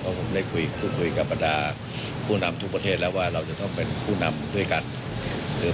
เพราะผมได้คุยกับประดาทผู้นำทุกประเทศแล้วว่าเราจะต้องเป็นผู้นำไปด้วยกันในทุกเรื่อง